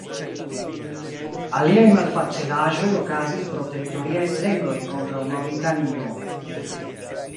Aliaj malfacilaĵoj okazis pro teritoriaj plendoj kontraŭ Maŭritanio.